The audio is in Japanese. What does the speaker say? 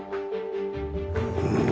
うん。